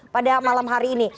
pada malam hari ini